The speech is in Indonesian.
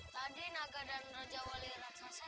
tadi naga dan raja wali raksasa